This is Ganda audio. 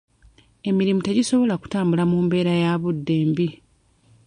Emirimu tegisobola kutambula mu mbeera ya budde embi.